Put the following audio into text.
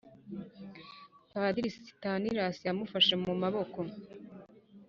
Padiri Stanislas yamufashe mu maboko